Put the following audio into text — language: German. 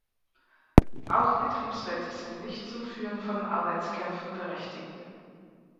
Auch Betriebsräte sind nicht zum Führen von Arbeitskämpfen berechtigt.